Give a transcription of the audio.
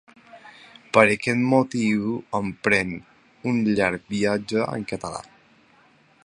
Per aquest motiu, emprèn un llarg viatge… En català.